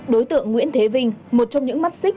đối tượng nguyễn thế vinh một trong những mắt xích